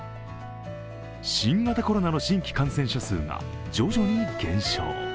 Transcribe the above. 新型コロナの新規感染者数が徐々に減少。